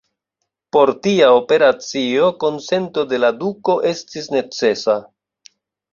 Por tia operacio, konsento de la duko estis necesa.